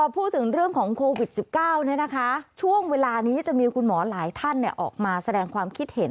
พูดถึงเรื่องของโควิด๑๙ช่วงเวลานี้จะมีคุณหมอหลายท่านออกมาแสดงความคิดเห็น